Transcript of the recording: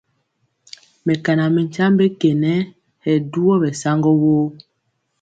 Mɛkana mi nkyambe ke nɛ, hɛ duwɔ ɓɛ saŋgɔ woo.